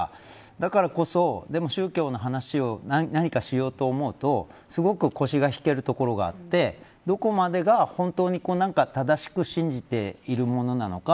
だからこそ、でも宗教の話をしようと思うとすごく腰が引けるところがあってどこまでが本当に正しく信じているものなのか。